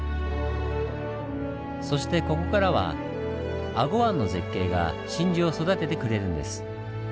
そしてここからは英虞湾の絶景が真珠を育ててくれるんです。